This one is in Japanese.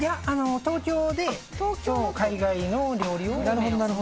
東京で海外の料理を。